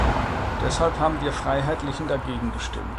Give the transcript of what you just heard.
Deshalb haben wir Freiheitlichen dagegen gestimmt.